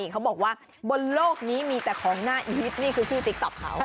เขาบอกว่าบนโลกนี้มีแต่ของหน้าอีฮิตนี่คือชื่อติ๊กต๊อกเขา